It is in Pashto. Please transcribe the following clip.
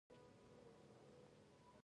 زده کړه نجونو ته د امید درس ورکوي.